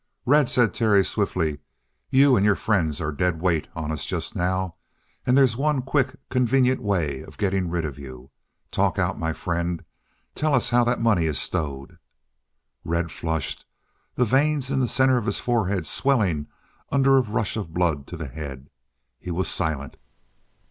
"Red," said Terry swiftly, "you and your friend are a dead weight on us just now. And there's one quick, convenient way of getting rid of you. Talk out, my friend. Tell us how that money is stowed." Red flushed, the veins in the center of his forehead swelling under a rush of blood to the head. He was silent.